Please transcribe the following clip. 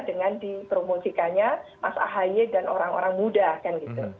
dengan dipromosikannya mas ahy dan orang orang muda kan gitu